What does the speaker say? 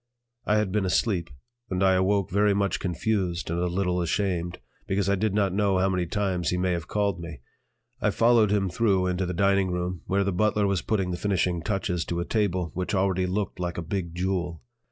I had been asleep; and I awoke very much confused and a little ashamed, because I did not know how many times he may have called me. I followed him through into the dining room, where the butler was putting the finishing touches to a table which already looked like a big jewel.